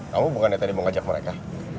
kamu bukan dari tadi mau ngajak mereka